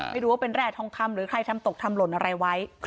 ไม่รู้ว่าเป็นแร่ทองคำหรือใครทำตกทำหล่นอะไรไว้